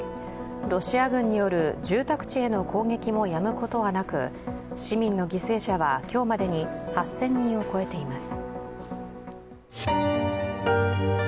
ロシア軍による住宅地への攻撃もやむことはなく市民の犠牲者は今日までに８０００人を超えています。